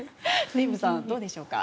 デーブさんどうでしょうか？